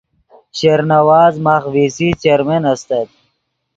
شیر نواز ماخ وی سی چیرمین استت